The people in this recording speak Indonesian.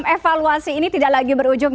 evaluasi ini tidak lagi berujung